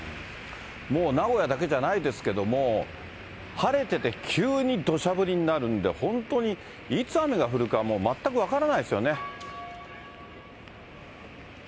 もう名古屋だけじゃないですけども、晴れてて急にどしゃ降りになるんで、本当にいつ雨が降るか、もう全く分からないですよね。